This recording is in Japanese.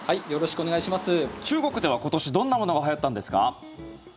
中国では今年どんなものがはやったんですか？